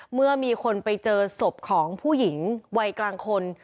เมื่อมีคนไปเจอศพของผู้หญิงวัยกลางคน